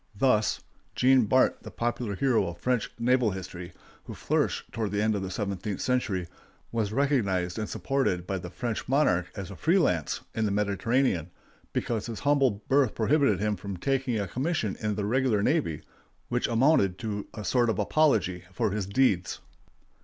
Thus Jean Bart, the popular hero of French naval history, who flourished toward the end of the seventeenth century, was recognized and supported by the French monarch as a free lance in the Mediterranean, because his humble birth prohibited him from taking a commission in the regular navy, which amounted to a sort of apology for his deeds.